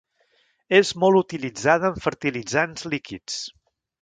És molt utilitzada en fertilitzants líquids.